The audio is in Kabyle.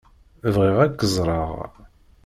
Bɣiɣ ad k-ẓṛeɣ.